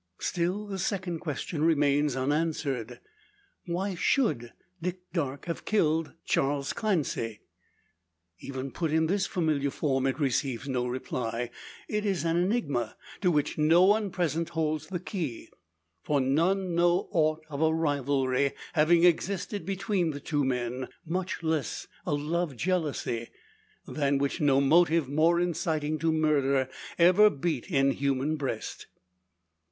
Still the second question remains unanswered: "Why should Dick Darke have killed Charley Clancy?" Even put in this familiar form it receives no reply. It is an enigma to which no one present holds the key. For none know aught of a rivalry having existed between the two men much less a love jealousy, than which no motive more inciting to murder ever beat in human breast.